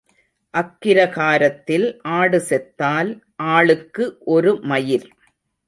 அக்கிரகாரத்தில் ஆடு செத்தால் ஆளுக்கு ஒரு மயிர்.